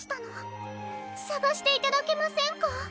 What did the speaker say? さがしていただけませんか？